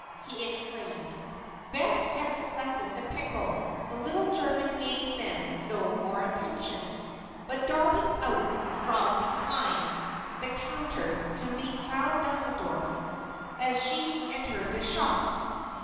he exclaimed. Bess had selected the pickle. The little German gave them no more attention, but darted out from behind the counter to meet Frau Deuseldorf as she entered the shop.